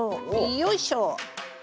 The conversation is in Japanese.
よいしょ。